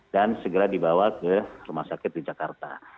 dan segera dibawa ke rumah sakit di jakarta